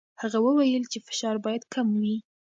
هغه وویل چې فشار باید کم وي.